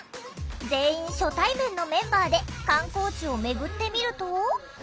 全員初対面のメンバーで観光地を巡ってみると。